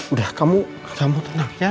udah kamu tenang ya